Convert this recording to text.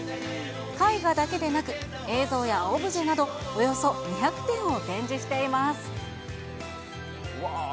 絵画だけでなく、映像やオブジェなど、およそ２００点を展示しています。